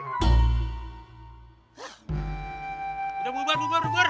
udah bubar bubar bubar